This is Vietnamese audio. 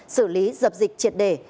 xử lý dập dịch triệt để